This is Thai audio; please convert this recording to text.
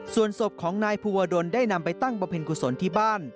ส่วนศพของนายภูวดลได้นำไปตั้งบำเพ็ญกุศลที่บ้าน